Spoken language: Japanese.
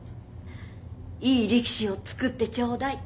いい力士を作ってちょうだい。